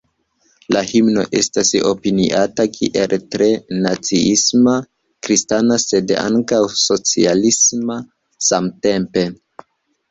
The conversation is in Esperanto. La himno estas opiniata kiel tre naciisma, kristana sed ankaŭ socialisma samtempe.